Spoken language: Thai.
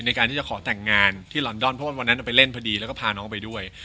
ในการที่จะขอแต่งงานที่ลอนดอนเพราะว่าวันนั้นเอาไปเล่นพอดีแล้วก็พาน้องไปด้วย